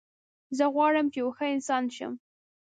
زه غواړم چې یو ښه انسان شم